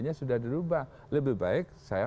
nya sudah dirubah lebih baik saya